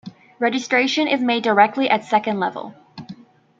Registration is made directly at second-level.